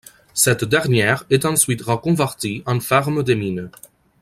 Cette dernière est ensuite reconvertie en ferme des mines.